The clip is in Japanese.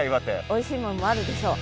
おいしいものもあるでしょう。